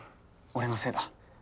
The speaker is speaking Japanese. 俺のせいだ。